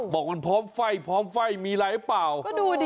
บอกมันพร้อมไฟมีไรป่าว